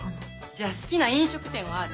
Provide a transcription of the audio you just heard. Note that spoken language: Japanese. じゃあ好きな飲食店はある？